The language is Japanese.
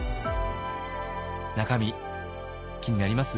中身気になります？